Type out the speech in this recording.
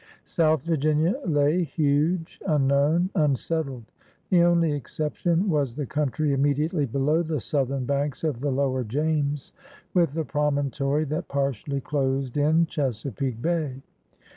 South Virginia lay huge, unknown, unsettled. The only exception was the country inmiediately below the southern banks of the lower James with the promontory that partially closed in Chesapeake 199 800 PIONEERS OF THE OLD SOOTH Bay.